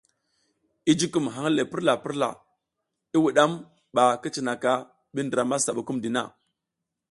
I jukum hang le purla purla i wudam ba ki cinaka bi ndra masa bukumdina.